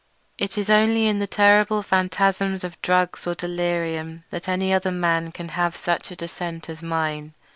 It is only in the terrible phantasms of drugs or delirium that any other man can have had such a descent as mine.